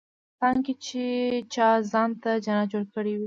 لکه په ریګستان کې چا ځان ته جنت جوړ کړی وي.